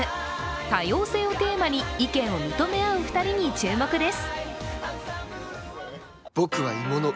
多様性をテーマに意見を認め合う２人に注目です。